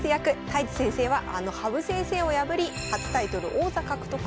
太地先生はあの羽生先生を破り初タイトル王座獲得。